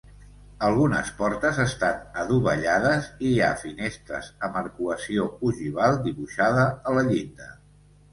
Algunes portes estan adovellades i hi ha finestres amb arcuació ogival dibuixada a la llinda.